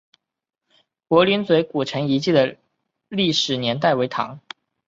柏林嘴古城遗址的历史年代为唐。